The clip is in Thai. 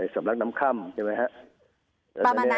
สำรักน้ำค่ำใช่ไหมฮะประมาณนั้นค่ะ